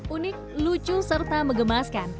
unik lucu serta megemaskan